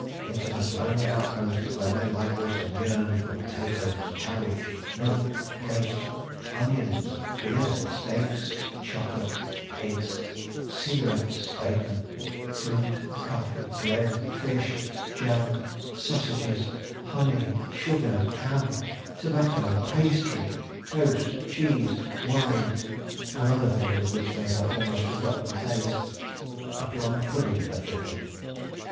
Into that lonely outpost, where men languished and yearned for potatoes, cabbage, milk, cake, onions, beer, steaks, chocolate, eggs, cigarettes, bacon, fruit, coffee, bread, fish, jam, sausages, honey, sugar, ham, tobacco, pastry, toast, cheese, wine and other things of which they had almost forgotten the taste, a Plum Pudding had drifted.